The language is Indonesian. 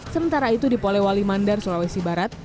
sementara itu di polewali mandar sulawesi barat